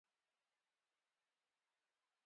جومات کې غول کوونکی ژر پېژندل کېږي.